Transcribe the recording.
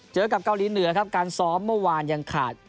เจอกับเกาหลีเหนือครับการซ้อมเมื่อวานยังขาด